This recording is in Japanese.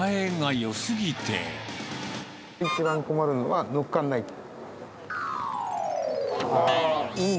一番困るのは、のっかんない。